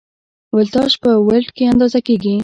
ولتاژ په ولټ کې اندازه کېږي.